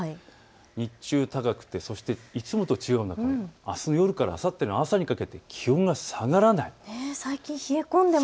日中高くていつもと違うのはあすの夜からあさっての朝にかけて気温が下がらない。